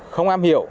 không am hiểu